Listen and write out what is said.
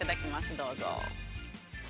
どうぞ。